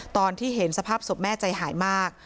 ตอนที่เห็นสภาพศพแม่ใจหายมาก